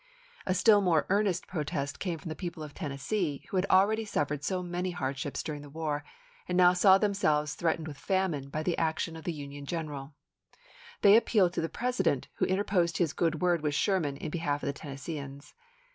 A still more earnest protest men? pe46. came from the people of Tennessee, who had already suffered so many hardships during the war and now saw themselves threatened with famine by the action of the Union general. They appealed to the President, who interposed his good word with Sherman in behalf of the Tennesseeans.